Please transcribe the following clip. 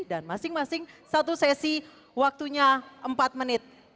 dan masing masing satu sesi waktunya empat menit